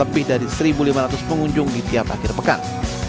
lebih dari satu lima ratus pengunjung di tiap akhir pekan